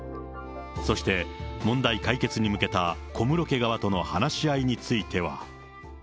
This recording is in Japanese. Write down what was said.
そして問題解決に向けた小室家側との話し合いについては。